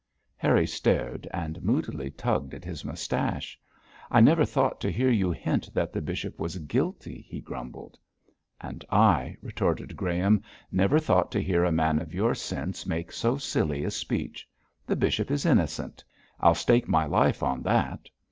Harry stared, and moodily tugged at his moustache. 'I never thought to hear you hint that the bishop was guilty,' he grumbled. 'And I,' retorted Graham, 'never thought to hear a man of your sense make so silly a speech. The bishop is innocent; I'll stake my life on that.